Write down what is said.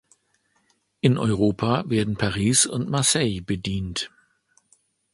In Europa werden Paris und Marseille bedient.